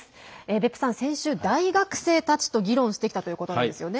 別府さん、先週大学生たちと議論してきたということなんですね。